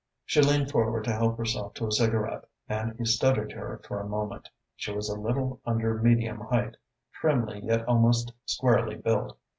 She leaned forward to help herself to a cigarette and he studied her for a moment. She was a little under medium height, trimly yet almost squarely built.